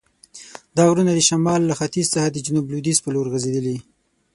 دا غرونه د شمال له ختیځ څخه د جنوب لویدیځ په لور غزیدلي.